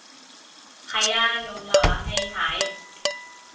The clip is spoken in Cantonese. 係啊用瀏覽器睇